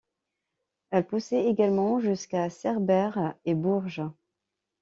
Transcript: Elles poussaient également jusqu’à Cerbère et Bourges.